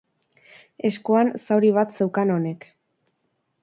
Eskuan zauri bat zeukan honek.